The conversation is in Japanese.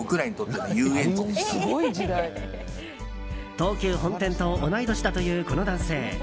東急本店と同い年だというこの男性。